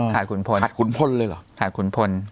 ขุนพลขาดขุนพลเลยเหรอขาดขุนพล